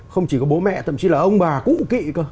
không chỉ có bố mẹ thậm chí là ông bà cụ kỵ cơ